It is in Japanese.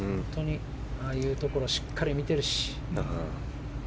ああいうところをしっかり見てるし。